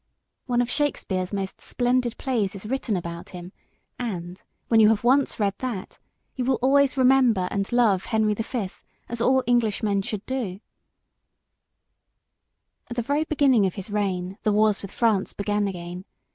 One of Shakespeare's most splendid plays is written about him, and, when you have once read that, you will always remember and love Henry the Fifth as all Englishmen should do. [Sidenote: A.D. 1413.] At the very beginning of his reign the wars with France began again.